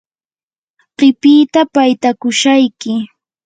qipita paytakushayki.